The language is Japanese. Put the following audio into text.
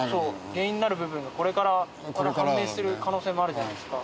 原因になる部分がこれから判明する可能性もあるじゃないですか。